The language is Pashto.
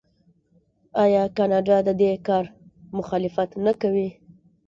آیا کاناډا د دې کار مخالفت نه کوي؟